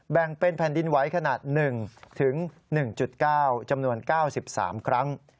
แบ่งเป็นแผ่นดินไหวขนาด๑๑๙จำนวน๙๓ครั้ง